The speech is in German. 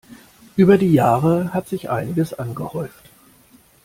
Über die Jahre hat sich einiges angehäuft.